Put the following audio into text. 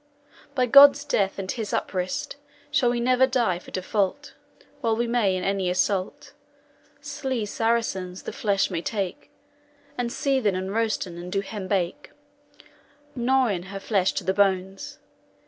By God's death and his uprist, Shall we never die for default, While we may in any assault, Slee Saracens, the flesh may take, And seethen and roasten and do hem bake, [And] Gnawen her flesh to the bones!